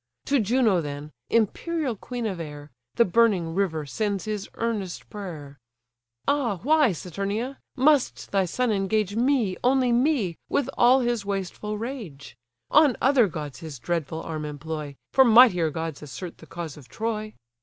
To Juno then, imperial queen of air, The burning river sends his earnest prayer: "Ah why, Saturnia; must thy son engage Me, only me, with all his wasteful rage? On other gods his dreadful arm employ, For mightier gods assert the cause of Troy.